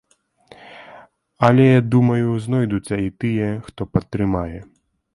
Але, думаю, знойдуцца і тыя, хто падтрымае.